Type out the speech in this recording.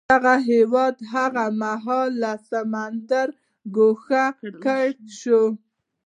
دغه هېواد هغه مهال له سمندره ګوښه کړل شو.